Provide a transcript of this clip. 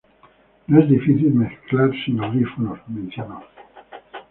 No es difícil mezclar sin audífonos, menciono.